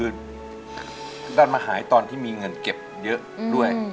อเรนนี่ให้ดูกันตอนที่มีเงินเก็บเยอะด้วย